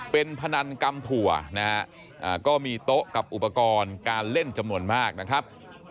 เป็นพนันกำถั่วนะฮะก็มีโต๊ะกับอุปกรณ์การเล่นจำนวนมากนะครับ